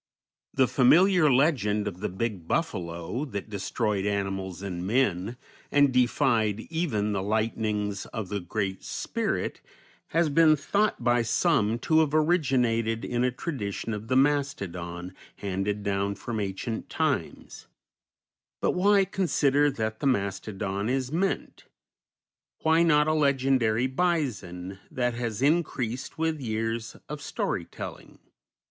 The familiar legend of the Big Buffalo that destroyed animals and men and defied even the lightnings of the Great Spirit has been thought by some to have originated in a tradition of the mastodon handed down from ancient times; but why consider that the mastodon is meant? Why not a legendary bison that has increased with years of story telling?